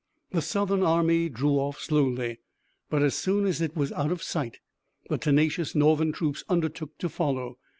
The Southern army drew off slowly, but as soon as it was out of sight the tenacious Northern troops undertook to follow.